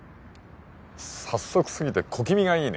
早速すぎて小気味がいいね